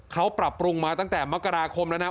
เขาปรับปรุงมาตั้งแต่มกราคมแล้วนะ